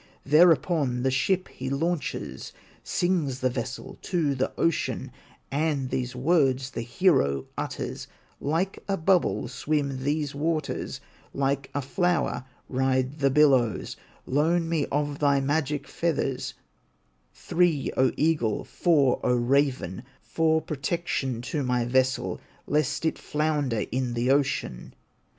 Thereupon the ship he launches, Sings the vessel to the ocean, And these words the hero utters: "Like a bubble swim these waters, Like a flower ride the billows; Loan me of thy magic feathers, Three, O eagle, four, O raven, For protection to my vessel, Lest it flounder in the ocean!"